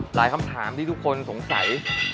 คำถามที่ทุกคนสงสัย